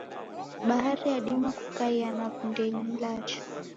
Bahari yadima kukaia na wundenyi mlacha.